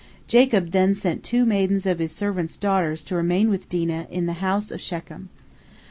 Jacob then sent two maidens of his servants' daughters to remain with Dinah in the house of Shechem.